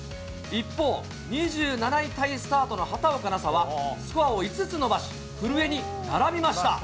一方、２７位タイスタートの畑岡奈紗は、スコアを５つ伸ばし、古江に並びました。